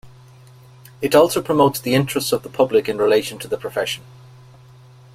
It also promotes the interests of the public in relation to the profession.